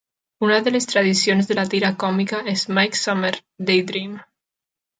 Una de les tradicions de la tira cómica és Mike's Summer Daydream.